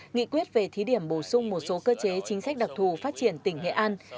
nghị quyết về thí điểm bổ sung một số cơ chế chính sách đặc thù phát triển tỉnh nghệ an